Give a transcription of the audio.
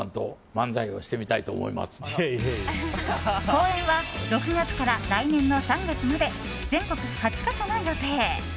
公演は６月から来年の３月まで全国８か所の予定。